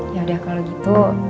yaudah kalau gitu